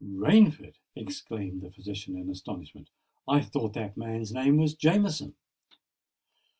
"Rainford!" repeated the physician, in astonishment. "I thought that man's name was Jameson?"